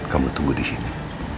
kamu tunggu di sini